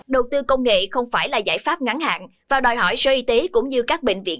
đầu tư công nghệ không phải là giải pháp ngắn hạn và đòi hỏi sơ y tế cũng như các bệnh viện